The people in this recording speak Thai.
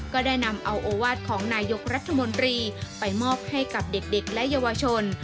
ก็ได้นำเอาโอวาสของนายกรัฐมนตรีไปมอบให้กับเด็กและเยาวชน